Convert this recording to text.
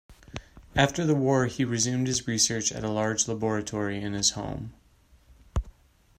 After the war, he resumed his research at a large laboratory in his home.